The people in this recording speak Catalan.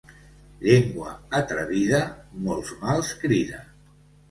Llengua atrevida molts mals crida.